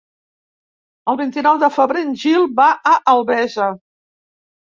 El vint-i-nou de febrer en Gil va a Albesa.